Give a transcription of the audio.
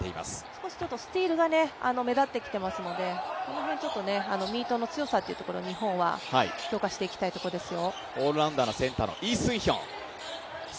少しスティールが目立ってきていますので、この辺、ミートの強さを日本は強化していきたいところですよ。